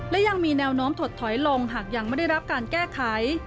และยังมีแนวโน้มถดถอยลงหากยังไม่ได้รับการแก้ไข